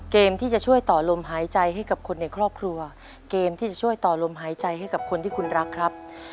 เกมที่จะช่วยต่อลมหายใจให้กับคนที่คุณรักครับ